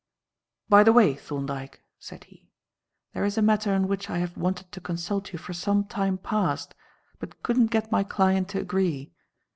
"By the way, Thorndyke," said he, "there is a matter on which I have wanted to consult you for some time past, but couldn't get my client to agree.